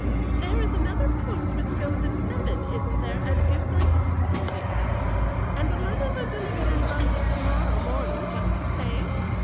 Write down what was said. "There is another post which goes at seven, isn't there, Edgarson?" she asked, "and the letters are delivered in London to morrow morning just the same?"